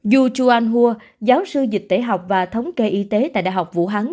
yu chuanghua giáo sư dịch tế học và thống kê y tế tại đại học vũ hắn